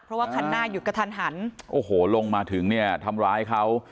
เพราะว่าคันหน้าหยุดกระทันหันโอ้โหลงมาถึงเนี่ยทำร้ายเขา